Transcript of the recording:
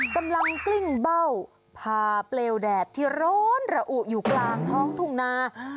กำลังกลิ้งเบ้าพาเปลวแดดที่โรนระอุอยู่กลางท้องถุงนา